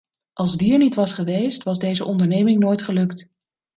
Als die er niet was geweest, was deze onderneming nooit gelukt.